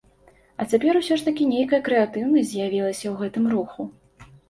А цяпер усё ж такі нейкая крэатыўнасць з'явілася ў гэтым руху.